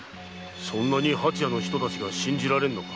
そんなに蜂屋の人たちが信じられぬのか？